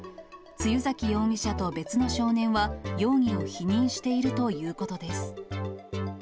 露崎容疑者と別の少年は容疑を否認しているということです。